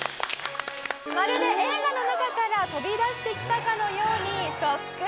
まるで映画の中から飛び出してきたかのようにそっくり！